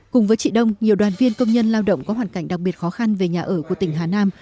cùng với chị đông nhiều đoàn viên công nhân lao động có hoàn cảnh đặc biệt khó khăn về nhà ở của tỉnh hà nam